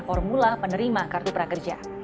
formula penerima kartu prakerja